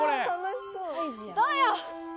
どうよ？